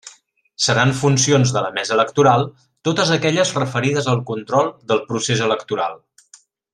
Seran funcions de la Mesa Electoral totes aquelles referides al control del procés electoral.